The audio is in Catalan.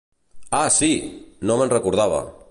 Ah, sí! No me'n recordava.